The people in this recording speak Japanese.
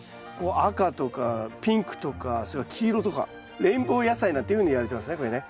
赤とかピンクとかそれから黄色とかレインボー野菜なんていうふうにいわれてますねこれね。